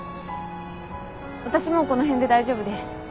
私もうこの辺で大丈夫です。